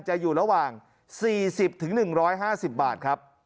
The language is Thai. จะอยู่ระหว่าง๔๐๑๕๐บาทครับ